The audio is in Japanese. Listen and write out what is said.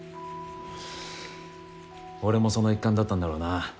俺もその一環だったんだろうな。